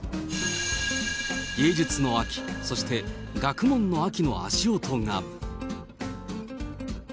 芸術の秋、そして学問の秋の足音が。